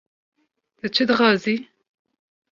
- Tu çi dixwazî?